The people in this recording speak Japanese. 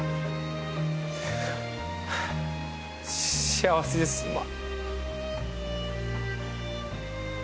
幸せです、今。